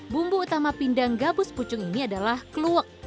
bumbu utama pindang gabus pucung ini adalah kluwek